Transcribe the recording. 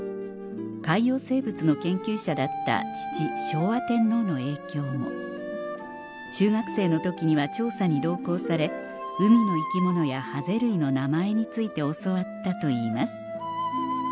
海洋生物の研究者だった父・昭和天皇の影響も中学生の時には調査に同行され海の生き物やハゼ類の名前について教わったといいます